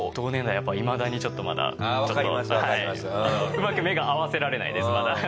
うまく目が合わせられられないですまだ。